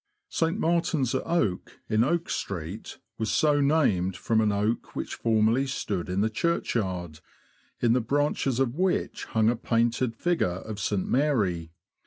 St. Martin's at Oak, in Oak Street, was so named from an oak which formerly stood in the churchyard, in the branches of which hung a painted figure of St. Mary.